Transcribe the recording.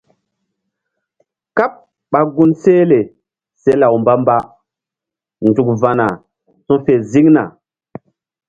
Káɓ ɓa gun sehle se law mbamba nzuk va̧na su fe ziŋna.